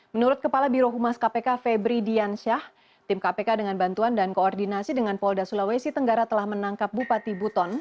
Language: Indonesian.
menurut kepala birohumas kpk febri diansyah tim kpk dengan bantuan dan koordinasi dengan polda sulawesi tenggara telah menangkap bupati buton